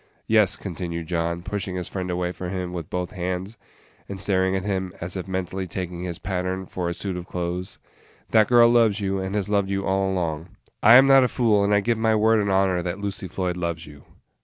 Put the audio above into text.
Yes," continued John, pushing his friend away from him with both hands, and staring at him as if mentally taking his pattern for a suit of clothes, "that girl loves you, and has loved you all along. I am not a fool, and I give you my word and honor that Lucy Floyd loves you."